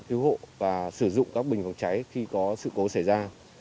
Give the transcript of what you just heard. cứu hộ và sử dụng các bình phòng cháy khi có sự cố xảy ra